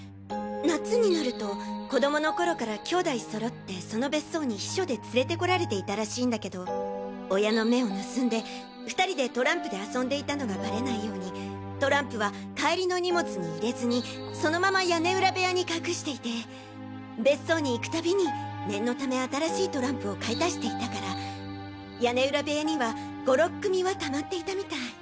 夏になると子供の頃から兄弟そろってその別荘に避暑で連れてこられていたらしいんだけど親の目を盗んで２人でトランプで遊んでいたのがバレないようにトランプは帰りの荷物に入れずにそのまま屋根裏部屋に隠していて別荘に行くたびに念のため新しいトランプを買い足していたから屋根裏部屋には５６組はたまっていたみたい。